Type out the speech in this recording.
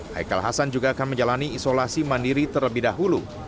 haikal hasan juga akan menjalani isolasi mandiri terlebih dahulu